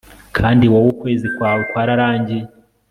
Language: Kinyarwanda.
Kandi wowe ukwezi kwawe kwarangiye